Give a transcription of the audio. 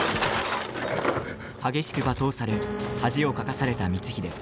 激しく罵倒され恥をかかされた光秀。